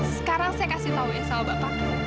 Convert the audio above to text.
sekarang saya kasih tau ya sama bapak